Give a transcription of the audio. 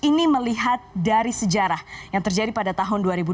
ini melihat dari sejarah yang terjadi pada tahun dua ribu dua belas